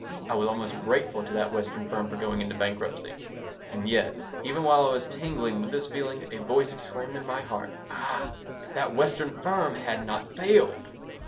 I was almost grateful to that Western firm for going into bankruptcy And yet, even while I was tingling with this feeling, a voice exclaimed in my heart, "Ah, if that Western firm had not failed!"